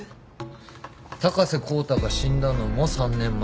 高瀬康太が死んだのも３年前。